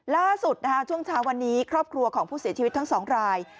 ล่าสุดช่วงเช้าวันนี้ครอบครัวของผู้เสียชีวิตทั้งสองราย